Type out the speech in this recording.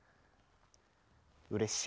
うれしい。